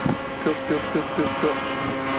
Pratibha Patil.